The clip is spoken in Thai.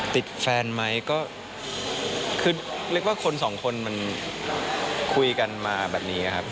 ติดแฟนไหมก็คือเรียกว่าคนสองคนมันคุยกันมาแบบนี้ครับ